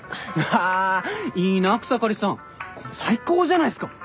あいいな草刈さん最高じゃないっすか。